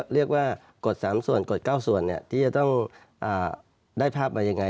เรียกว่ากฎ๓ส่วนกฎ๙ส่วนที่จะต้องได้ภาพมายังไง